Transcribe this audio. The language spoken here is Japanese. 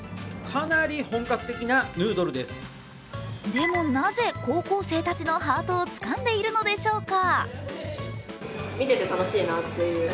でもなぜ高校生たちのハートをつかんでいるのでしょうか。